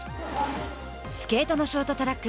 スケートのショートトラック